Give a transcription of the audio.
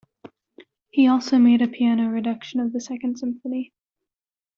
He also made a piano reduction of the second symphony.